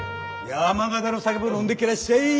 山形の酒も飲んでけらっしゃい！